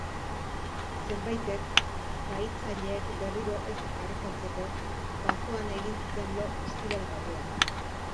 Zenbaitek, bahitzaileek berriro ez harrapatzeko, basoan egin zuten lo ostiral gauean.